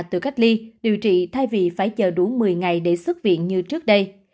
tự cách ly điều trị thay vì phải chờ đủ một mươi ngày để xuất viện như trước đây